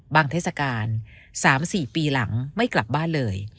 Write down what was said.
เทศกาล๓๔ปีหลังไม่กลับบ้านเลย